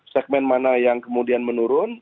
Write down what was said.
segmen mana yang kemudian menurun